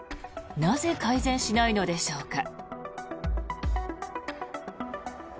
なぜ、改善しないのでしょうか。